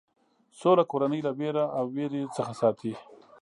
سوله کورنۍ له وېره او وېرې څخه ساتي.